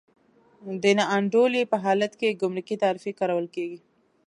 د نا انډولۍ په حالت کې ګمرکي تعرفې کارول کېږي.